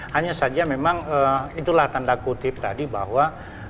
hanya saja memang itulah tanda kutip tadi bahwa